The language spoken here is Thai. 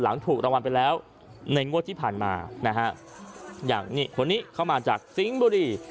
ถูกรางวัลไปแล้วในงวดที่ผ่านมานะฮะอย่างนี่คนนี้เข้ามาจากสิงห์บุรี